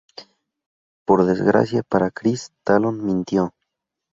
Por desgracia para Chris, Talon mintió.